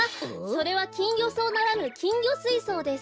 それはきんぎょそうならぬきんぎょスイソウです。